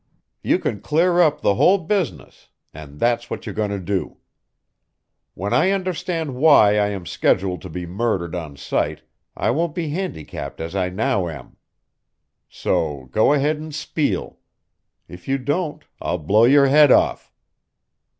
You can clear up the whole business, and that's what you're going to do. When I understand why I am scheduled to be murdered on sight I won't be handicapped as I now am. So go ahead and spiel. If you don't, I'll blow your head off."